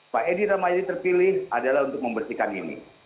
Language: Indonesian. pak edi rahmayadi terpilih adalah untuk membersihkan ini